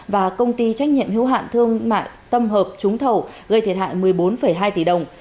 và công ty trách nhiệm hiếu hạn thương mại tâm hợp trúng thầu gây thiệt hại một mươi bốn hai tỷ đồng